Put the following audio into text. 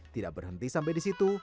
tidak berhenti sampai di situ